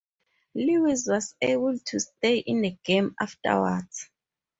Lewis was able to stay in the game afterwards.